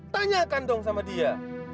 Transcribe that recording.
tanyakan dong sama dia